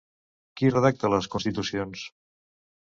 Qui redacta les constitucions?